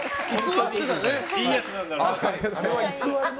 いいやつなんだよね。